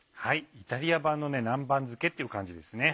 イタリア版の南蛮漬けっていう感じですね。